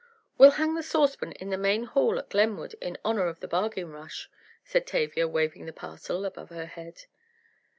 "We'll hang the saucepan in the main hall at Glenwood in honor of the bargain rush," said Tavia, waving the parcel above her head.